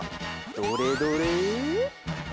どれどれ？